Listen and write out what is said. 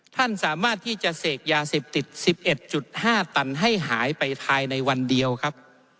ท่านสามารถที่จะเสพยาเสพติด๑๑๕ตันให้หายไปภายในวันเดียวครับ